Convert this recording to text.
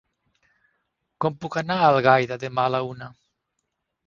Com puc anar a Algaida demà a la una?